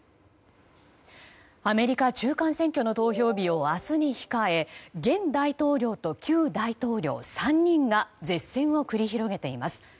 アメリカ中間選挙の投票日を明日に控え現大統領と旧大統領３人が舌戦を繰り広げています。